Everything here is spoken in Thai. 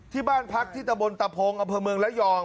ที่บ้านพักที่ตะบนตะพงอำเภอเมืองระยอง